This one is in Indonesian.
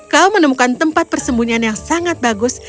kau menemukan tempat persembunyian yang sangat bagus